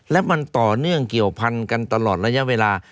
และมันต่อเนื่องเกี่ยวพันกันตลอดระยะเวลา